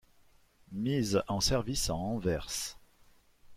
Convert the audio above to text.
Mise en service à Anvers.